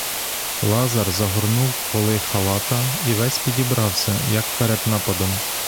Лазар загорнув поли халата і весь підібрався, як перед нападом.